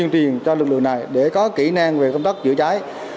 chúng tôi đã tổ chức huấn luyện cho lực lượng này để có kỹ năng về công tác chữa cháy